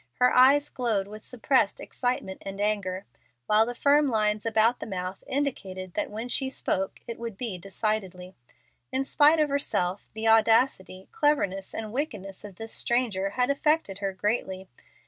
Her eyes glowed with suppressed excitement and anger, while the firm lines about the mouth indicated that when she spoke it would be decidedly. In spite of herself the audacity, cleverness, and wickedness of this stranger had affected her greatly.